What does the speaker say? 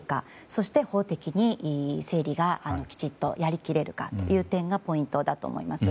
そして、法的に整理がきちんとやり切れるかという点がポイントだと思います。